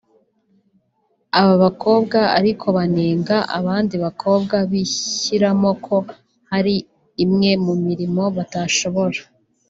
Aba bakobwa ariko banenga abandi bakobwa bishyiramo ko hari imwe mu mirimo batashobora